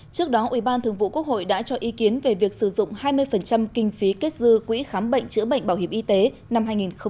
trước đó ủy ban thường vụ quốc hội đã cho ý kiến về việc sử dụng hai mươi kinh phí kết dư quỹ khám bệnh chữa bệnh bảo hiểm y tế năm hai nghìn một mươi bảy